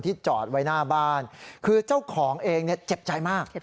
จอดไว้หน้าบ้านคือเจ้าของเองเนี่ยเจ็บใจมาก